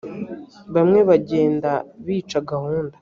bamwe bagenda bica gahunda